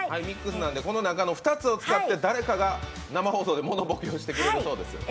ミックスなんでこの中の２つを使って誰かが生放送でモノボケをしてくれるそうです。